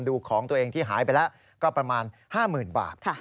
ดูของตัวเองที่หายไปแล้วก็ประมาณ๕๐๐๐บาท